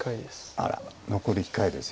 あら残り１回です。